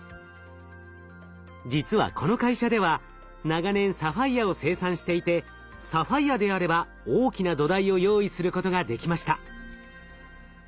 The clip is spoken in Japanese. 実はこの会社では長年サファイアを生産していてサファイアであれば大きな土台を用意することができました。